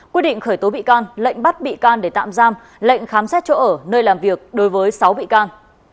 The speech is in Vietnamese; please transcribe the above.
quyết định khởi tố bị can lệnh bắt bị can để tạm giam lệnh khám xét chỗ ở nơi làm việc đối với sáu bị can